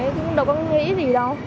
thì cũng đâu có nghĩ gì đâu